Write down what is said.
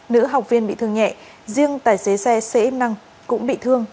nữ học viên bị thương nhẹ riêng tài xế xe cm năm cũng bị thương